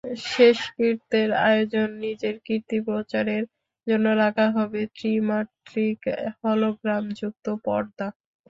শেষকৃত্যের আয়োজনে নিজের কীর্তি প্রচারের জন্য রাখা হবে ত্রিমাত্রিক হলোগ্রামযুক্ত পর্দা।